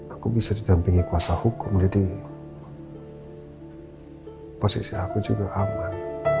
aku bisa didampingi kuasa hukum jadi posisi aku juga aman